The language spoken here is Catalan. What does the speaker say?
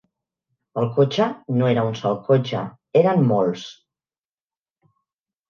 El cotxe no era un sol cotxe eren molts.